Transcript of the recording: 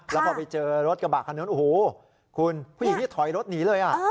แล้วพอไปเจอรถกระบะคันนั้นโอ้โหคุณผู้หญิงที่ถอยรถหนีเลย